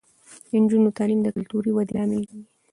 د نجونو تعلیم د کلتوري ودې لامل کیږي.